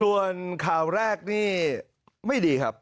ส่วนข่าวแรกนี่ไม่ดีครับ